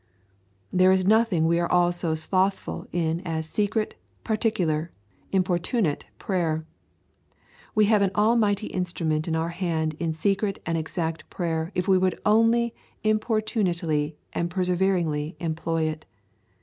There is nothing we are all so slothful in as secret, particular, importunate prayer. We have an almighty instrument in our hand in secret and exact prayer if we would only importunately and perseveringly employ it.